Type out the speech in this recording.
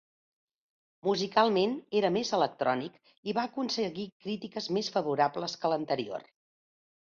Musicalment era més electrònic i va aconseguir crítiques més favorables que l'anterior.